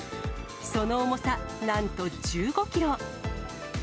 その重さ、なんと１５キロ。